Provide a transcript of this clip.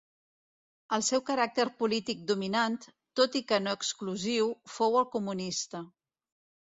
El seu caràcter polític dominant, tot i que no exclusiu, fou el comunista.